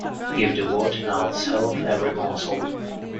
Give the word, and I'll sell off every morsel.